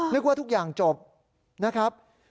นึกว่าทุกอย่างจบนะครับ